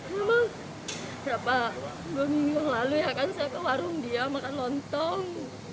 memang berapa dua minggu yang lalu ya kan saya ke warung dia makan lontong